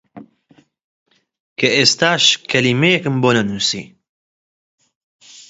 کە ئێستاش کەلیمەیەکم بۆ نەنووسی!